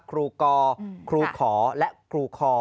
ครูกอครูขอและครูคอ